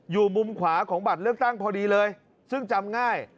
อยู่มุมขวาของบัตรเลือกตั้งพอดีเลยซึ่งจำง่าย